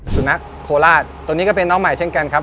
สุนัขโคราชตัวนี้ก็เป็นน้องใหม่เช่นกันครับ